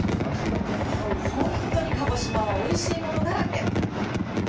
本当に鹿児島はおいしいものだらけ！